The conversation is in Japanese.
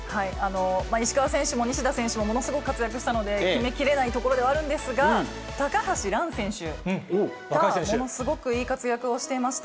石川選手も、西田選手もものすごく活躍したので、決め切れないところではあるんですが、高橋藍選手が、ものすごくいい活躍をしていました。